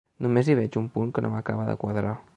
Només hi veig un punt que no m’acaba de quadrar.